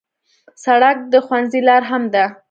سړک د ښوونځي لار هم ده.